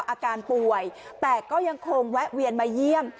อาการป่วยแต่ก็ยังคงแวะเวียนมาเยี่ยม